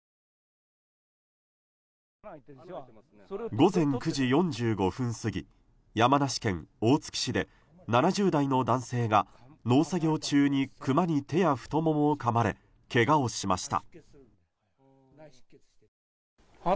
午前９時４５分過ぎ山梨県大月市で７０代の男性が農作業中にクマに手や太ももをかまれけがをしました。